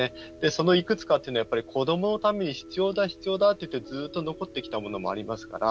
そのいくつかっていうのは子どものために必要だ必要だって言ってずっと残ってきたものもありますから。